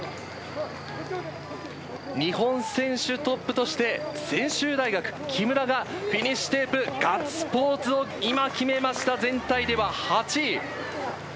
日本選手トップとして、専修大学、木村がフィニッシュテープ、ガッツポーズを今決めました、全体では８位。